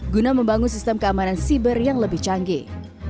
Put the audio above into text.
guna membangun sistem keamanan siber yang lebih canggih